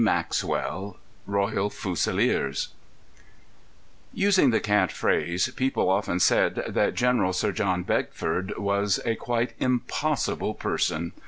Maxwell Royal Fusiliers Using the cant phrase, people often said that General Sir John Beckford was a quite impossible person.